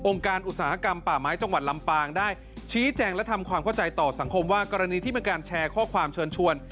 การอุตสาหกรรมป่าไม้จังหวัดลำปางได้ชี้แจงและทำความเข้าใจต่อสังคมว่ากรณีที่มีการแชร์ข้อความเชิญชวน